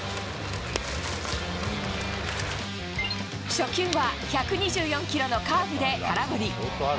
初球は１２４キロのカーブで空振り